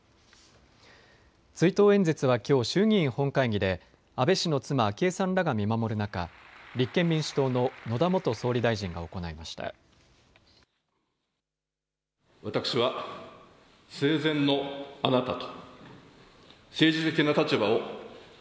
追悼演説はきょう衆議院本会議で安倍氏の妻、昭恵さんらが見守る中、立憲民主党の野田元総理大臣が行いました。